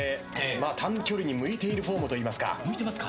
短距離に向いているフォームといいますか。